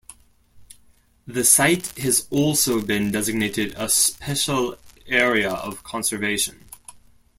The site has also been designated a Special Area of Conservation.